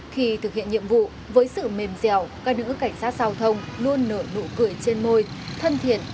khi thực hiện nhiệm vụ với sự mềm dẻo các nữ cảnh sát giao thông luôn nở nụ cười trên môi thân thiện